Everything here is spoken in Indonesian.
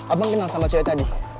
abang kenal sama cewek tadi